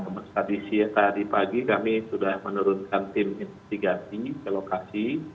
nah tadi siang tadi pagi kami sudah menurunkan tim ke lokasi